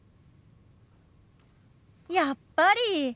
やっぱり！